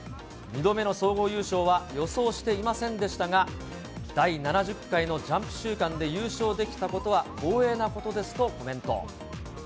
２度目の総合優勝は予想していませんでしたが、第７０回のジャンプ週間で優勝できたことは光栄なことですとコメント。